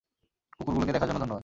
কুকুরগুলোকে দেখার জন্য ধন্যবাদ।